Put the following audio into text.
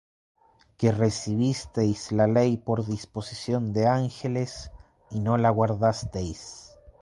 Que recibisteis la ley por disposición de ángeles, y no la guardasteis.